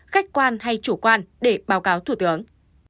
khách quan hay chủ quan để báo cáo thủ tướng